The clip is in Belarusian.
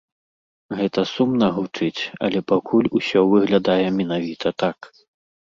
Гэта сумна гучыць, але пакуль усё выглядае менавіта так.